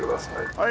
はい。